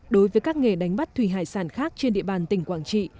đối với các nghề đánh bắt thủy hải sản khác trên địa bàn tỉnh quảng trị